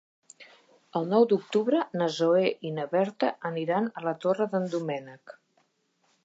El nou d'octubre na Zoè i na Berta aniran a la Torre d'en Doménec.